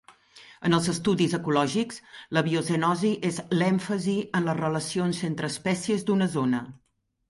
En els estudis ecològics, la biocenosi és l'èmfasi en les relacions entre espècies d'una zona.